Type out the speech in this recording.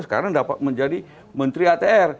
sekarang dapat menjadi menteri atr